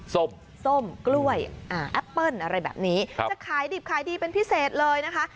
ส้มกล้วยแอปเปิ้ลอะไรแบบนี้จะขายดิบขายดีเป็นพิเศษเลยนะคะ